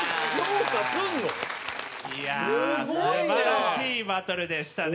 いやあすばらしいバトルでしたね。